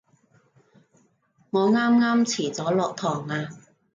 我啱啱遲咗落堂啊